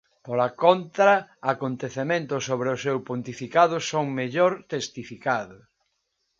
Pola contra acontecementos sobre o seu pontificado son mellor testificados.